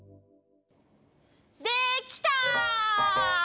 できた！